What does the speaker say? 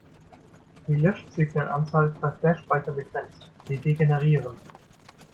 Die Löschzyklenanzahl ist bei Flash-Speicher begrenzt; sie degenerieren.